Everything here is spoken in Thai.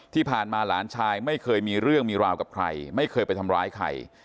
ที่ผ่านมาหลานชายไม่เคยมีเรื่องมีราวกับใครไม่เคยไปทำร้ายใคร